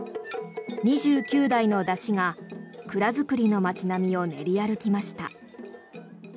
２９台の山車が蔵造りの街並みを練り歩きました。